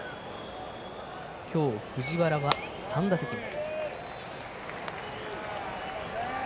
今日、藤原は３打席目。